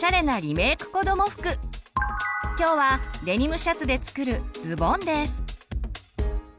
今日はデニムシャツで作る「ズボン」です。